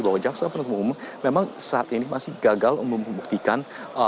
bahwa jaksa penuntut umum memang saat ini masih gagal membuktikan